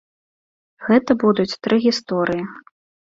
Гэта будуць тры гісторыі.